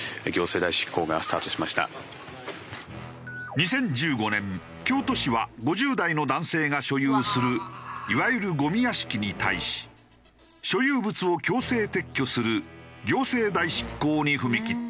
２０１５年京都市は５０代の男性が所有するいわゆるゴミ屋敷に対し所有物を強制撤去する行政代執行に踏み切った。